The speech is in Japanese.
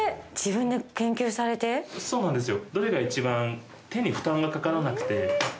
そうなんですよ。